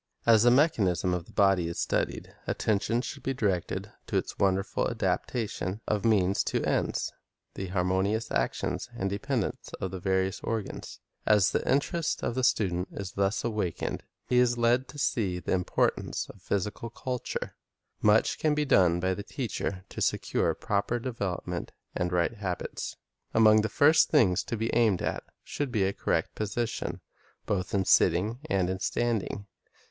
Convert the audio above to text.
As the mechanism of the body is studied, attention should be directed to its wonderful adaptation of means to ends, the harmonious action and dependence of the various organs. As the interest of the student is thus awakened, and he is led to see the importance of physical culture, much can be done by the teacher to secure proper development and right habits. Among the first things to be aimed at should be a correct position, both in sitting and in standing.